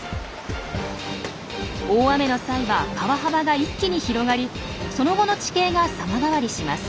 大雨の際は川幅が一気に広がりその後の地形が様変わりします。